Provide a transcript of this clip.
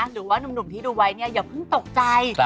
หนุ่มที่ดูไว้เนี่ยอย่าเพิ่งตกใจ